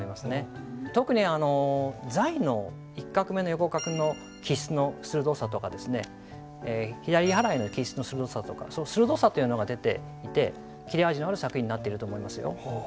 特に「在」の１画目の横画の起筆の鋭さとか左払いの起筆の鋭さとかその鋭さというのが出ていて切れ味のある作品になっていると思いますよ。